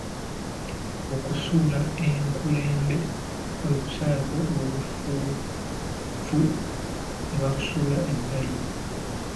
Okusuula enkulembe kwe kusalako olufuvvu ne balusuula ebbali.